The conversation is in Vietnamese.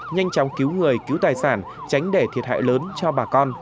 nhanh chóng cứu người cứu tài sản tránh để thiệt hại lớn cho bà con